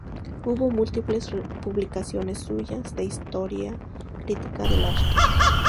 Hubo múltiples publicaciones suyas, de historia y crítica del arte.